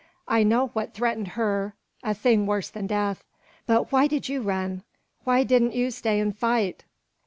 "I know what threatened her a thing worse than death. But why did you run? Why didn't you stay and fight?"